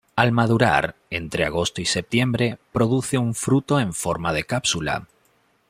Al madurar, entre agosto y septiembre, produce un fruto en forma de cápsula.